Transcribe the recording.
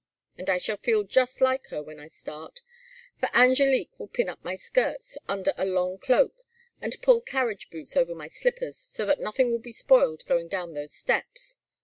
And I shall feel just like her when I start, for Angélique will pin up my skirts under a long cloak, and pull carriage boots over my slippers so that nothing will be spoiled going down those steps.